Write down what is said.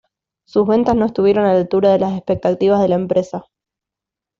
Sus ventas no estuvieron a la altura de las expectativas de la empresa.